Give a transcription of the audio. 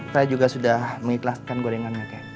saya juga sudah mengikhlaskan gorengannya